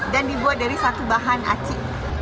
dan dibuat dari satu bahan aci